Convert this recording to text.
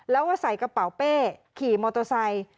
แล้วก็ใส่กระเป๋าเป้ขี่มอเตอร์ไซค์